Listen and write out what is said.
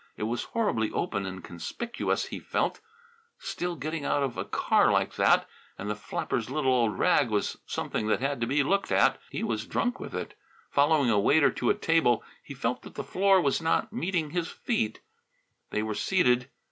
It was horribly open and conspicuous, he felt; still, getting out of a car like that and the flapper's little old rag was something that had to be looked at he was drunk with it. Following a waiter to a table he felt that the floor was not meeting his feet. They were seated!